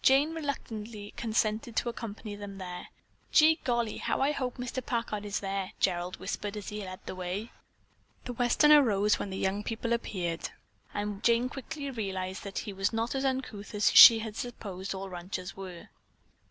Jane reluctantly consented to accompany them there. "Gee golly, how I hope Mr. Packard is there," Gerald whispered as he led the way. The Westerner rose when the young people appeared and Jane quickly realized that he was not as uncouth as she had supposed all ranchers were.